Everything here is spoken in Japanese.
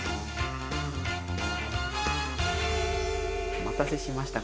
お待たせしました。